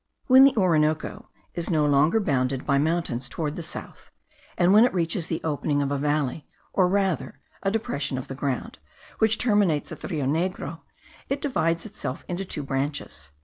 When the Orinoco is no longer bounded by mountains towards the south, and when it reaches the opening of a valley, or rather a depression of the ground, which terminates at the Rio Negro, it divides itself into two branches.